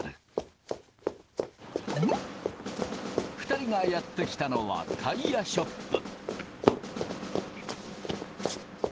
２人がやって来たのはタイヤショップ。